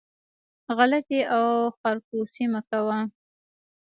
غلطي او خرکوسي مه کوئ